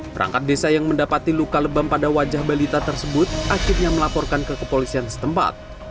perangkat desa yang mendapati luka lebam pada wajah balita tersebut akhirnya melaporkan ke kepolisian setempat